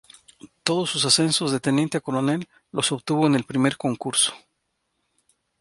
Todos sus ascensos de teniente a coronel los obtuvo en el primer concurso.